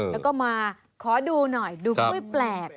แล้วก็มาขอดูหน่อยดูกล้วยแปลก